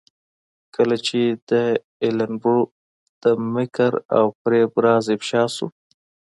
کله چې د ایلن برو د مکر او فریب راز افشا شو.